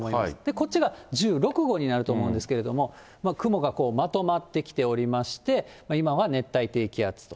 こっちが１６号になると思うんですけれども、雲がまとまってきておりまして、今は熱帯低気圧と。